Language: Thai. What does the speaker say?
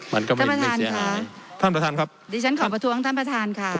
มันก็ไม่เสียหายท่านประธานครับดิฉันขอประท้วงท่านประธานค่ะ